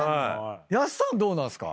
やっさんどうなんすか？